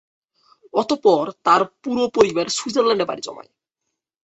অতঃপর তার পুরো পরিবার সুইজারল্যান্ডে পাড়ি জমায়।